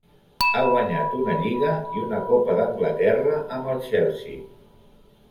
Ha guanyat una Lliga i una Copa d'Anglaterra amb el Chelsea.